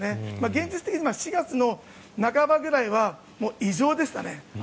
現実的に４月の半ばぐらいは異常でしたね。